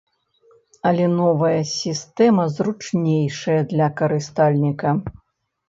Але новая сістэма зручнейшая для карыстальніка.